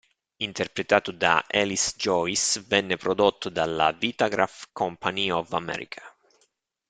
Interpretato da Alice Joyce, venne prodotto dalla Vitagraph Company of America.